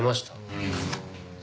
うん。